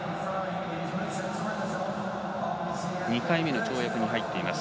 ２回目の跳躍に入っています。